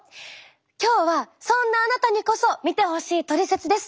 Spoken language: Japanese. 今日はそんなあなたにこそ見てほしい「トリセツ」です。